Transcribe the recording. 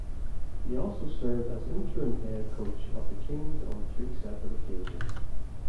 He also served as interim head coach of the Kings on three separate occasions.